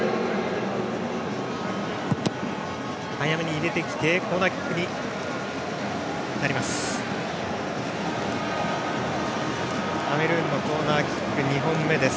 早めに入れてきてコーナーキックになります。